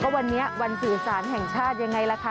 วันนี้วันสื่อสารแห่งชาติยังไงล่ะคะ